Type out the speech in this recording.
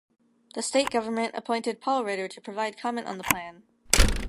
The state government appointed Paul Ritter to provide comment on the plan.